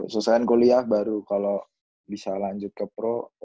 susah kan kuliah baru kalo bisa lanjut ke pro